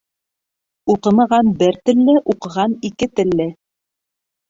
Уҡымаған бер телле, уҡыған ике телле.